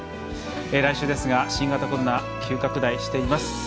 来週ですが新型コロナ急拡大しています。